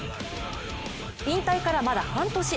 引退からまだ半年。